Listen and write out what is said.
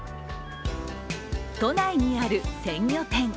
都内にある鮮魚店。